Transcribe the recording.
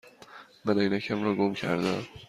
من عینکم را گم کرده ام.